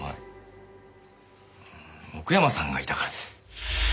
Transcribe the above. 奥山さんがいたからです。